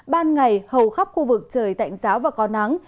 ban ngày hầu khắp khu vực trời tạnh giáo và có nắng